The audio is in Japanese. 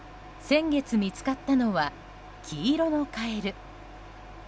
先月、見つかったのは黄色のカエル。